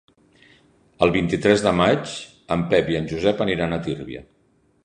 El vint-i-tres de maig en Pep i en Josep aniran a Tírvia.